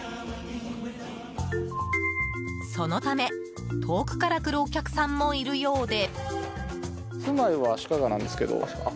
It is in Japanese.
そのため、遠くから来るお客さんもいるようで。